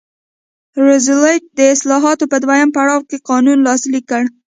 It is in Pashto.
روزولټ د اصلاحاتو په دویم پړاو کې قانون لاسلیک کړ.